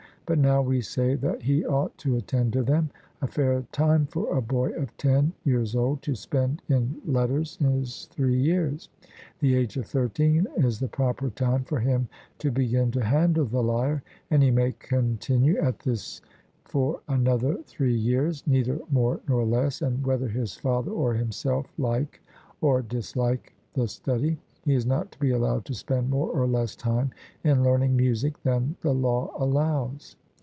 But now we say that he ought to attend to them. A fair time for a boy of ten years old to spend in letters is three years; the age of thirteen is the proper time for him to begin to handle the lyre, and he may continue at this for another three years, neither more nor less, and whether his father or himself like or dislike the study, he is not to be allowed to spend more or less time in learning music than the law allows.